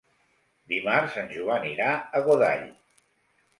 Dimarts en Joan irà a Godall.